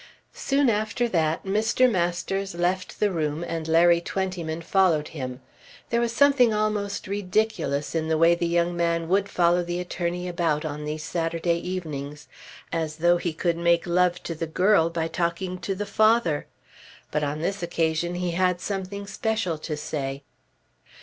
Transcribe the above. Soon after that Mr. Masters left the room and Larry Twentyman followed him. There was something almost ridiculous in the way the young man would follow the attorney about on these Saturday evenings, as though he could make love to the girl by talking to the father. But on this occasion he had something special to say.